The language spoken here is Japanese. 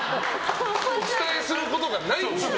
お伝えすることがないんです。